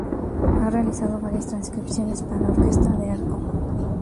Ha realizado varias transcripciones para Orquesta de Arco.